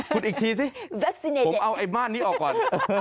คุณอีกทีสิผมเอาไอ้ม่านนี้ออกก่อน